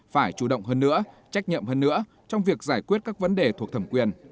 phải chủ động hơn nữa trách nhậm hơn nữa trong việc giải quyết các vấn đề thuộc thẩm quyền